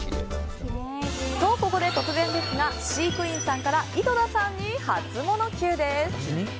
と、ここで突然ですが飼育員さんから井戸田さんにハツモノＱ！